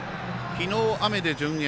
昨日、雨で順延。